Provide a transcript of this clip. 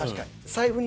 財布に。